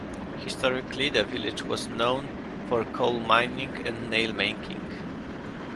Historically the village was known for coal mining and nail making.